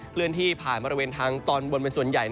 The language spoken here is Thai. เลื่อนที่ผ่านบริเวณทางตอนบนเป็นส่วนใหญ่